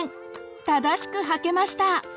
正しくはけました。